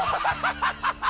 ハハハハ！